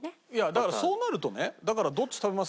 だからそうなるとねだからどっち食べますかって。